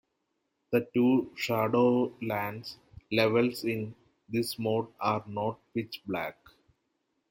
The two Shadowlands levels in this mode are not pitch black.